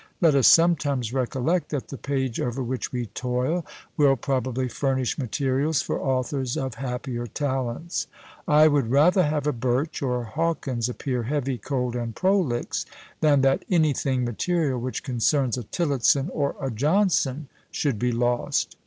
Let us sometimes recollect, that the page over which we toil will probably furnish materials for authors of happier talents. I would rather have a Birch, or a Hawkins, appear heavy, cold, and prolix, than that anything material which concerns a Tillotson, or a Johnson, should be lost.